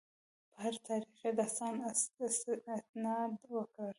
په هر تاریخي داستان استناد وکړو.